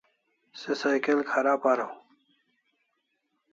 Se cycle kharab araw